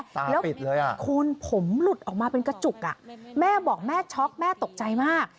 ปิดเลยอ่ะคุณผมหลุดออกมาเป็นกระจุกอ่ะแม่บอกแม่ช็อกแม่ตกใจมาก